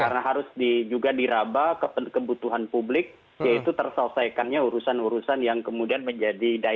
karena harus juga diraba kebutuhan publik yaitu terselesaikannya urusan urusan yang kemudian menjadi daily activities nya